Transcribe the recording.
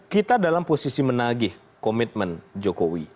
kita dalam posisi menagih komitmen jokowi